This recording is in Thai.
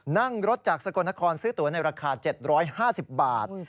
นั่งรถจากสกลนครซื้อตัวในราคา๗๕๐บาท